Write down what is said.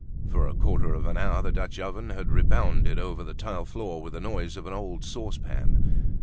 For a quarter of an hour, the Dutch oven had rebounded over the tile floor with the noise of an old saucepan.